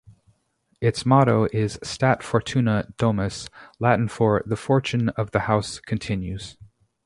Its motto is "Stat Fortuna Domus", Latin for "The Fortune of the House Continues".